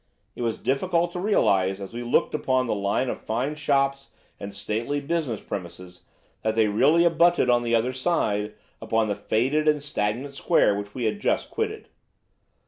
It was difficult to realise as we looked at the line of fine shops and stately business premises that they really abutted on the other side upon the faded and stagnant square which we had just quitted.